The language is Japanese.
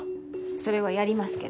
それはやりますけど。